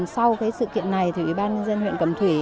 sau cái sự kiện này thì ủy ban nhân dân huyện cầm thủy